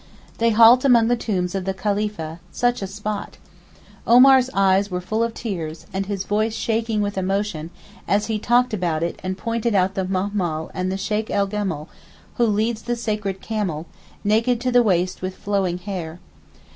They halt among the tombs of the Khalìfah, such a spot. Omar's eyes were full of tears and his voice shaking with emotion, as he talked about it and pointed out the Mahmaal and the Sheykh al Gemel, who leads the sacred camel, naked to the waist with flowing hair.